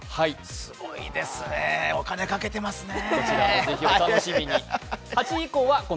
すごいですね、お金かけてますねぇ。